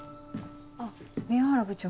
あっ宮原部長。